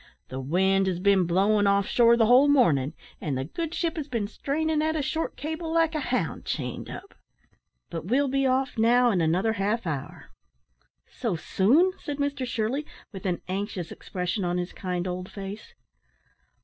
"The wind has been blowin' off shore the whole morning, and the good ship has been straining at a short cable like a hound chained up. But we'll be off now in another half hour." "So soon?" said Mr Shirley, with an anxious expression on his kind old face.